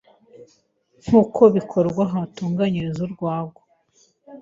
nk’uko bikorwa aha hatunganyirizwa urwagwa